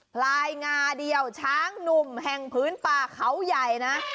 พลายงาเดียวช้างหนุ่มแห่งพื้นป่าเขาใหญ่นะ